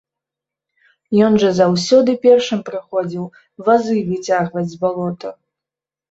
Ён жа заўсёды першым прыходзіў вазы выцягваць з балота.